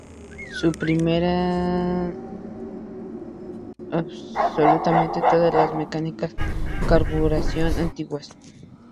Se suprimieron absolutamente todas las mecánicas carburación antiguas.